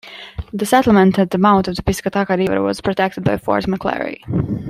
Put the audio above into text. The settlement at the mouth of the Piscataqua River was protected by Fort McClary.